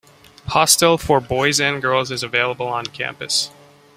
Hostel for Boys and Girls is available on campus.